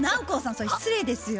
それ失礼ですよ。